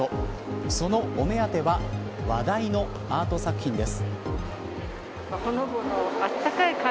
そのお目当ては話題のアート作品です。